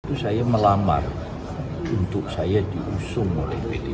itu saya melamar untuk saya diusung oleh pdip